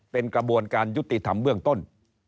เป็นกระบวนการยุติธรรมเบื้องต้น